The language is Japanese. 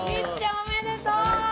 おめでとう！